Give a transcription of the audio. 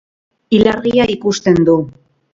Ilargia ikusten du.